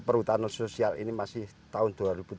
perhutanan sosial ini masih tahun dua ribu tujuh belas